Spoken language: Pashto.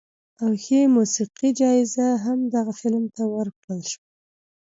او ښې موسیقۍ جایزه هم دغه فلم ته ورکړل شوه.